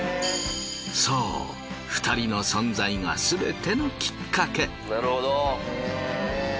そう２人の存在がすべてのきっかけ。